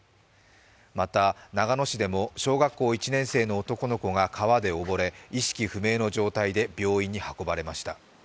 また長野市でも小学校１年生の男の子が川で溺れ意識不明の状態で病院に運ばれました。